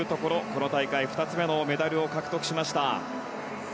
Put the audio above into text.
この大会２つ目のメダルを獲得しました。